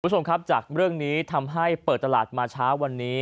คุณผู้ชมครับจากเรื่องนี้ทำให้เปิดตลาดมาเช้าวันนี้